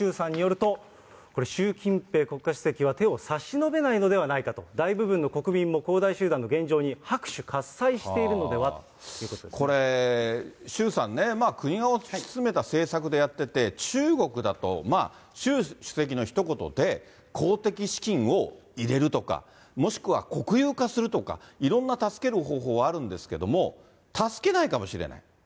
さあ、どうなのかというところですけれども、周さんによりますと、これ習近平国家主席は手を差し伸べないのではないかと、大部分の国民も恒大集団の現状に拍手喝采しているのではということこれ、周さんね、国が推し進めた政策でやってて、中国だと、習主席のひと言で、公的資金を入れるとか、もしくは国有化するとか、いろんな助ける方法はあるんですけれども、助けないかもしれない？